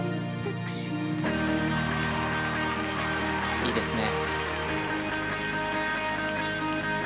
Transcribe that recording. いいですね。